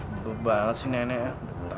belum banget sih nenek